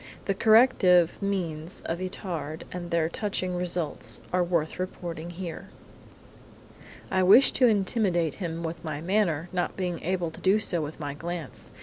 The corrective means of Itard and their touching results are worth reporting here! "I wished to intimidate him with my manner, not being able to do so with my glance.